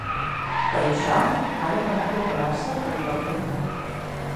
Per això, ha demanat preparar-se ‘pel proper embat’.